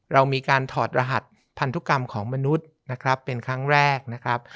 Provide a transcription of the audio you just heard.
เรามีการถอดรหัสพันธุกรรมของมนุษย์นะครับเป็นครั้งแรกนะครับ